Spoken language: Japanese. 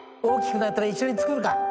大きくなったら一緒に作るか。